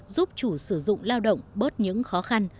giúp chủ sử dụng lao động bớt những khó khăn